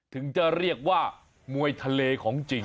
ถึงจะเรียกว่ามวยทะเลของจริง